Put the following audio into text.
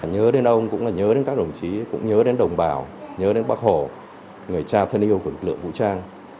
nhớ đến ông cũng là nhớ đến các đồng chí cũng nhớ đến đồng bào nhớ đến bác hồ người cha thân yêu của lực lượng vũ trang